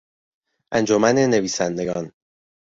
انجمن نویسندگان